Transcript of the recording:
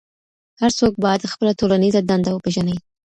هر څوک بايد خپله ټولنيزه دنده وپېژني.